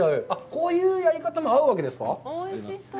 こういうやり方も合うわけですか。